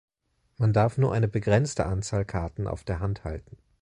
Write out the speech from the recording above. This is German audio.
Man darf nur eine begrenzte Anzahl Karten auf der Hand halten.